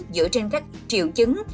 dựa trên các triệu chứng